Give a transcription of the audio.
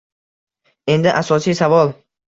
Endi asosiy savol